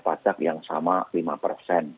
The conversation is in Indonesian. pajak yang sama lima persen